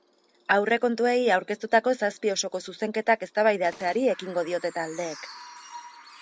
Aurrekontuei aurkeztutako zazpi osoko zuzenketak eztabaidatzeari ekingo diote taldeek.